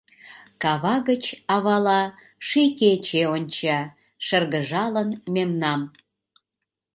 Кава гыч авала ший кече Онча, шыргыжалын, мемнам.